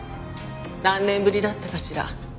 何年ぶりだったかしら。